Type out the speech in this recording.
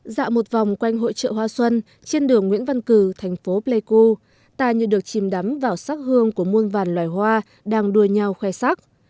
dạo một vòng quanh hội trợ hoa xuân trên đường nguyễn văn cử thành phố pleiku ta như được chìm đắm vào sắc hương của muôn vàn loài hoa đang đua nhau khoe sắc